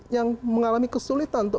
yang mengalami kesulitan untuk